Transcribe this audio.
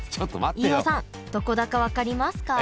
飯尾さんどこだか分かりますか？